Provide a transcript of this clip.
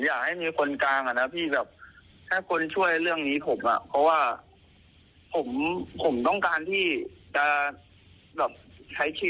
ไม่ได้กลัวว่าเขาจะมาทำร้ายฉัน